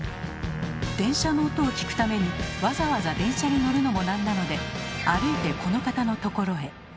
電車の音を聞くためにわざわざ電車に乗るのもなんなので歩いてこの方のところへ。